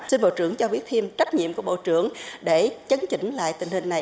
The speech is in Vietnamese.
xin bộ trưởng cho biết thêm trách nhiệm của bộ trưởng để chấn chỉnh lại tình hình này